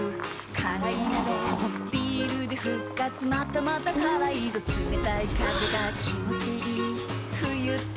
辛い鍋ビールで復活またまた辛いぞ冷たい風が気持ちいい冬って最高だ